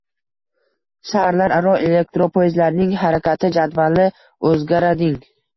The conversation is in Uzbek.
Shaharlararo elektropoyezdlarning harakat jadvali o‘zgarading